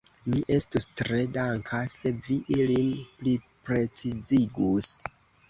Mi estus tre danka, se vi ilin pliprecizigus.